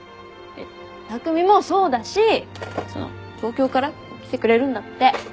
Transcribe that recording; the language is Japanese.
匠もそうだしその東京から来てくれるんだって。